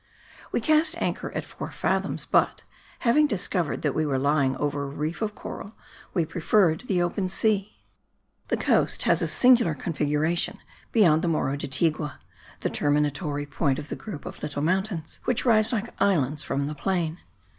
We cast anchor at four fathoms but, having discovered that we were lying over a reef of coral, we preferred the open sea. The coast has a singular configuration beyond the Morro de Tigua, the terminatory point of the group of little mountains which rise like islands from the plain.